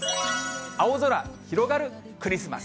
青空広がるクリスマス。